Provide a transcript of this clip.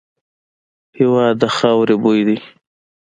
هېواد د خاوري بوی دی.